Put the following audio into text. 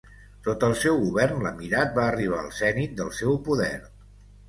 Sota el seu govern l'emirat va arribar al zenit del seu poder.